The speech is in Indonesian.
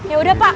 ya udah pak